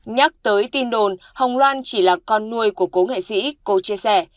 nhắc tới tin đồn hồng loan chỉ là con nuôi của cố nghệ sĩ cô chia sẻ